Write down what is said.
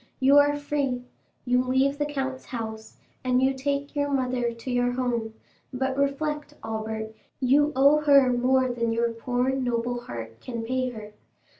You are free, you leave the count's house, and you take your mother to your home; but reflect, Albert, you owe her more than your poor noble heart can pay her.